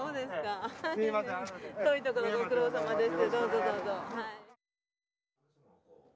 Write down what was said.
遠いところご苦労さまです。